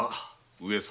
上様。